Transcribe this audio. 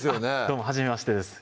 どうもはじめましてです